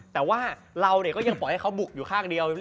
แต่ว่าเราก็ยังปล่อยให้เขาบุกอยู่ข้างเดียว